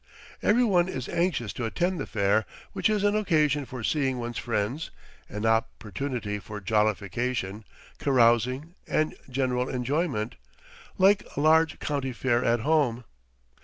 Every one is anxious to attend the fair, which is an occasion for seeing one's friends, an opportunity for jollification, carousing, and general enjoyment like a large county fair at home.